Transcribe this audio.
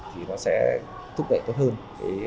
thì nó sẽ thúc đẩy tốt hơn hợp đồng đầu tư tư nhân